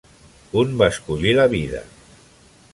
Kun va escollir la vida.